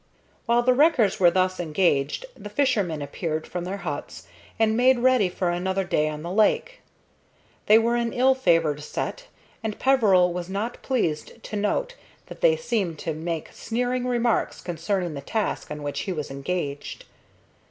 While the wreckers were thus engaged, the fishermen appeared from their huts and made ready for another day on the lake. They were an ill favored set, and Peveril was not pleased to note that they seemed to make sneering remarks concerning the task on which he was engaged.